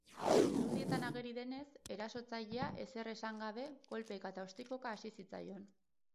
Irudietan ageri denez, erasotzailea ezer esan gabe kolpeka eta ostikoka hasi zitzaion.